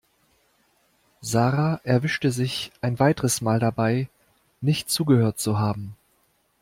Sarah erwischte sich ein weiteres Mal dabei, nicht zugehört zu haben.